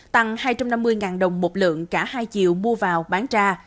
tăng hai trăm năm mươi đồng một lượng cả hai triệu mua vào bán ra